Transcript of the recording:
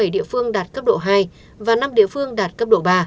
một trăm năm mươi bảy địa phương đạt cấp độ hai và năm địa phương đạt cấp độ ba